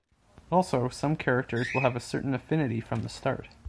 Also, some characters will have a certain affinity from the start.